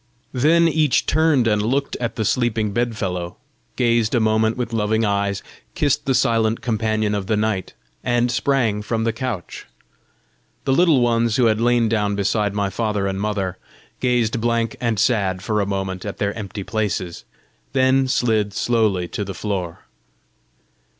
Then each turned and looked at the sleeping bedfellow, gazed a moment with loving eyes, kissed the silent companion of the night, and sprang from the couch. The Little Ones who had lain down beside my father and mother gazed blank and sad for a moment at their empty places, then slid slowly to the floor.